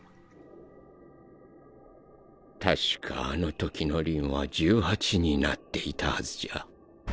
確かあの時のりんは１８になっていたはずじゃ